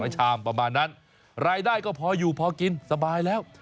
ชามประมาณนั้นรายได้ก็พออยู่พอกินสบายแล้ว